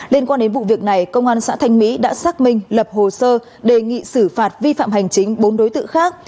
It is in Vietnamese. liên quan đến vụ việc này công an xã thanh mỹ đã xác minh lập hồ sơ đề nghị xử phạt vi phạm hành chính bốn đối tượng khác